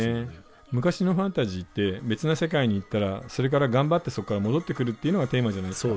昔のファンタジーって別な世界に行ったらそれから頑張ってそっから戻ってくるっていうのがテーマじゃないですか。